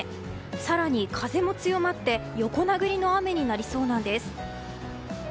更に、風も強まって横殴りの雨になりそうです。